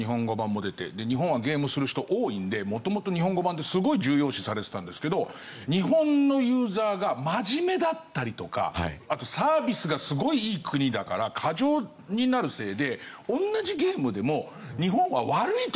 で日本はゲームする人多いので元々日本語版ってすごい重要視されてたんですけど日本のユーザーが真面目だったりとかあとサービスがすごいいい国だから過剰になるせいで同じゲームでも。